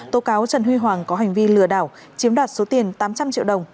tố cáo trần huy hoàng có hành vi lừa đảo chiếm đoạt số tiền tám trăm linh triệu đồng